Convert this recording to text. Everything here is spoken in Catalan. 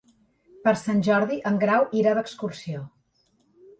Per Sant Jordi en Grau irà d'excursió.